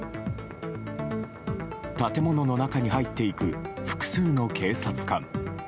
建物の中に入っていく複数の警察官。